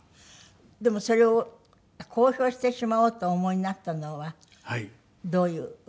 でもそれを公表してしまおうとお思いになったのはどういう訳が？